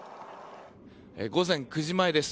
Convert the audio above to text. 午前９時前です。